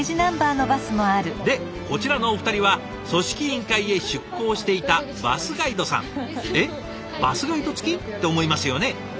でこちらのお二人は組織委員会へ出向していた「えっバスガイド付き？」って思いますよね？